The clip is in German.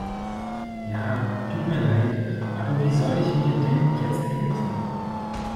Ja, tut mir leid, aber wie soll ich mir denn jetzt helfen?